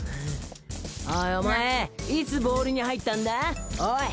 おいお前いつボールに入ったんだおい！